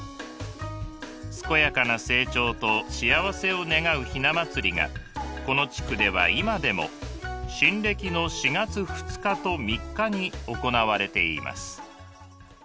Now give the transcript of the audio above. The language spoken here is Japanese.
健やかな成長と幸せを願う雛祭りがこの地区では今でも新暦の４月２日と３日に行われています。